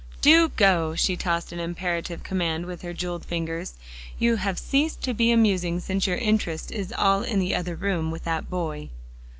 "Do go!" She tossed an imperative command with her jeweled fingers. "You have ceased to be amusing since your interest is all in the other room with that boy."